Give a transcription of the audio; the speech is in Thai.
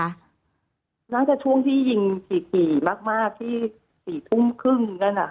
น่าจะช่วงที่ยิงถี่มากที่๔ทุ่มครึ่งนั่น